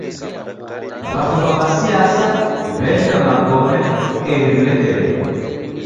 W'afungwa w'a siasa w'ew'ika magome eri w'ilekerelo.